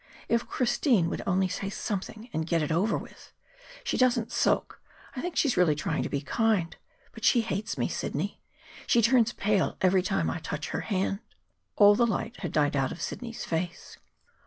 "If Christine would only say something and get it over with! She doesn't sulk; I think she's really trying to be kind. But she hates me, Sidney. She turns pale every time I touch her hand." All the light had died out of Sidney's face.